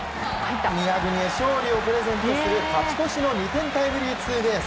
宮國へ勝利をプレゼントする勝ち越しの２点タイムリーツーベース。